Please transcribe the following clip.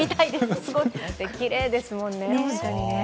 きれいですもんね。